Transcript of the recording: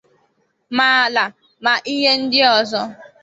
ma ala ma ihe ndị ọzọ